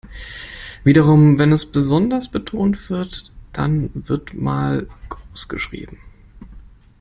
Wiederum wenn es besonders betont wird, dann wird Mal groß geschrieben.